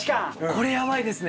これやばいですね。